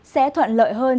sẽ thuận lợi hơn